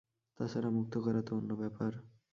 তাছাড়া, মুক্ত করা তো অন্য ব্যাপার।